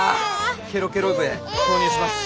ケロケロ笛投入します！